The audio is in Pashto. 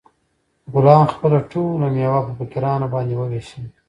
غلام خپله ټوله مېوه په فقیرانو باندې وویشله.